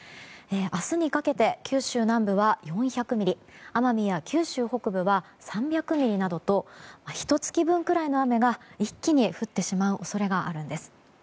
明日にかけて九州南部は４００ミリ奄美や九州北部は３００ミリなどとひと月分ぐらいの雨が一気に降ってしまう恐れもあります。